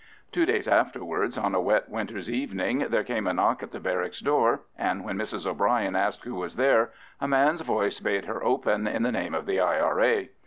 Two days afterwards, on a wet winter's evening, there came a knock at the barracks door, and when Mrs O'Bryan asked who was there, a man's voice bade her open in the name of the I.